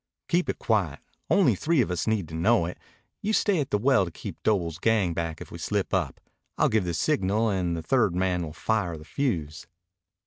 "Keep it quiet. Only three of us need to know it. You stay at the well to keep Doble's gang back if we slip up. I'll give the signal, and the third man will fire the fuse."